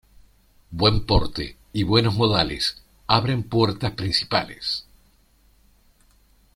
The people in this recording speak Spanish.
Buen porte y buenos modales abren puertas principales.